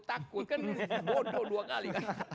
takut kan bodoh dua kali